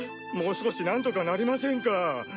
もう少しなんとかなりませんか？